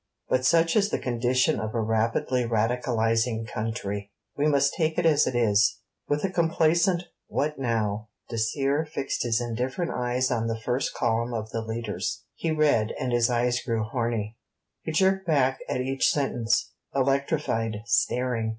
But such is the condition of a rapidly Radicalizing country! We must take it as it is. With a complacent, What now, Dacier fixed his indifferent eyes on the first column of the leaders. He read, and his eyes grew horny. He jerked back at each sentence, electrified, staring.